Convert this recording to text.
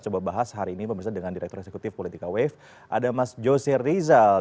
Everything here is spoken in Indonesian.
coba bahas hari ini pemirsa dengan direktur eksekutif politika wave ada mas jose rizal